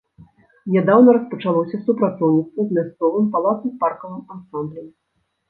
Нядаўна распачалося супрацоўніцтва з мясцовым палацава-паркавым ансамблем.